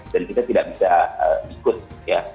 dan kita tidak bisa ikut ya